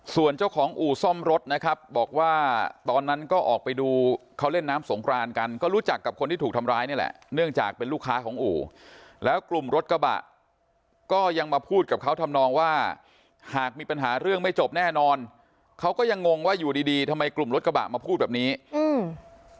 ส่วนเจ้าของอู่ซ่อมรถนะครับบอกว่าตอนนั้นก็ออกไปดูเขาเล่นน้ำสงครานกันก็รู้จักกับคนที่ถูกทำร้ายนี่แหละเนื่องจากเป็นลูกค้าของอู่แล้วกลุ่มรถกระบะก็ยังมาพูดกับเขาทำนองว่าหากมีปัญหาเรื่องไม่จบแน่นอนเขาก็ยังงงว่าอยู่ดีดีทำไมกลุ่มรถกระบะมาพูดแบบนี้อืม